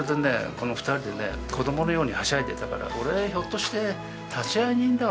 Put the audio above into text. この２人でね子どものようにはしゃいでたから俺ひょっとして立会人だわなと思って。